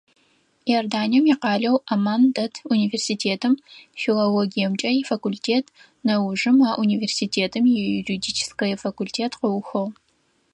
Иорданием икъалэу Амман дэт университетым филологиемкӏэ ифакультет, нэужым а университетым июридическэ факультет къыухыгъэх.